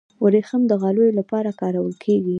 وریښم د غالیو لپاره کارول کیږي.